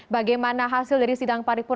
bagaimana hasil dari sidang paripurna